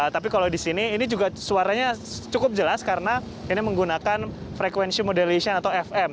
tapi kalau di sini ini juga suaranya cukup jelas karena ini menggunakan frekuensi moderation atau fm